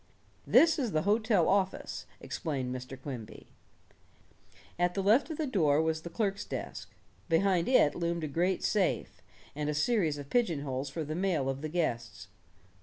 "This is the hotel office," explained Mr. Quimby. At the left of the door was the clerk's desk; behind it loomed a great safe, and a series of pigeon holes for the mail of the guests.